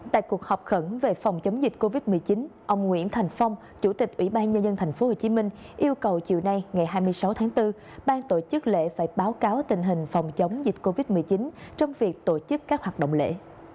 tại cuộc họp khẩn về phòng chống dịch covid một mươi chín ông nguyễn thành phong chủ tịch ủy ban nhân dân tp hcm yêu cầu chiều nay ngày hai mươi sáu tháng bốn bang tổ chức lễ phải báo cáo tình hình phòng chống dịch covid một mươi chín trong việc tổ chức các hoạt động lễ